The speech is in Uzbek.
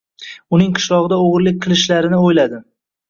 Uning qishlog‘ida o‘g‘irlik qilishlarini o‘yladi